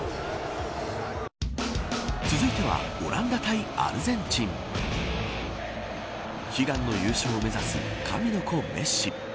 続いてはオランダ対アルゼンチン悲願の優勝を目指す神の子メッシ。